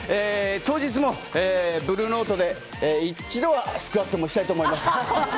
当日もブルーノートで一度はスクワットもしたいと思います。